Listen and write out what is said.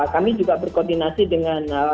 kami juga berkoordinasi dengan